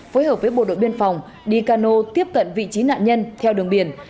phối hợp với bộ đội biên phòng đi cano tiếp cận vị trí nạn nhân theo đường biển